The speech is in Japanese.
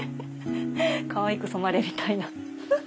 かわいく染まれみたいな。